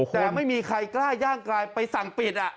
แต่ไม่มีใครกล้าย่างกลายไปสั่งปิด